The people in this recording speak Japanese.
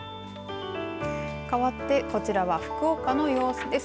かわってこちらは福岡の様子です。